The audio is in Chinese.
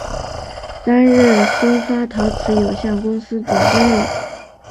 担任松发陶瓷有限公司总经理。